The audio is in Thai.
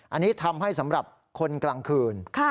อันนี้ทำให้สำหรับคนกลางคืน